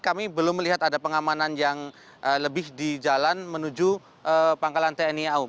kami belum melihat ada pengamanan yang lebih di jalan menuju pangkalan tni au